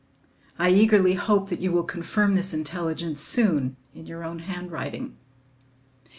I eagerly hope that you will confirm this intelligence soon in your own handwriting.